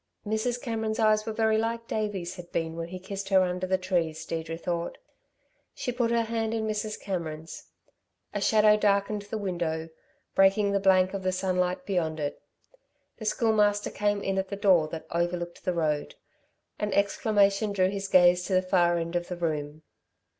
Mrs. Cameron's eyes were very like Davey's had been when he kissed her under the trees, Deirdre thought. She put her hand in Mrs. Cameron's. A shadow darkened the window, breaking the blank of the sunlight beyond it. The Schoolmaster came in at the door that overlooked the road. An exclamation drew his gaze to the far end of the room.